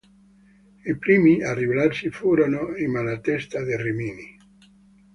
I primi a ribellarsi furono i Malatesta di Rimini.